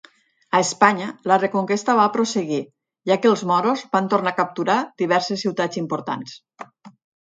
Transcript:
A Espanya, la Reconquesta va prosseguir, ja que els moros van tornar a capturar diverses ciutats importants.